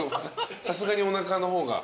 さすがにおなかの方が。